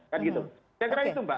saya kira itu mbak